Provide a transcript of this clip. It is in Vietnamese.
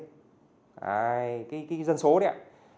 đấy cái dân số đấy ạ